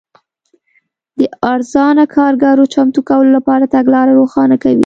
د ارزانه کارګرو چمتو کولو لپاره تګلاره روښانه کوي.